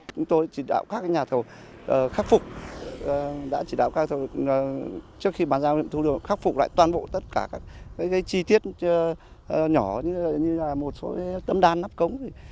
chúng tôi chỉ đạo các nhà thầu khắc phục đã chỉ đạo các nhà thầu trước khi bán giao nghiệm thu được khắc phục lại toàn bộ tất cả các chi tiết nhỏ như là một số tâm đan nắp cống